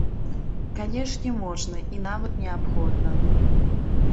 Канешне, можна, і нават неабходна.